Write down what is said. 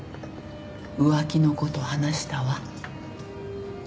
浮気のこと話したわ。